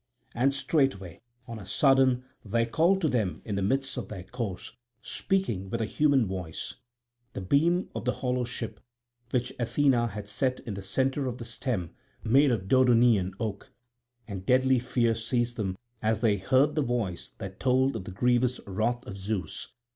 And straightway on a sudden there called to them in the midst of their course, speaking with a human voice, the beam of the hollow ship, which Athena had set in the centre of the stem, made of Dodonian oak. And deadly fear seized them as they heard the voice that told of the grievous wrath of Zeus.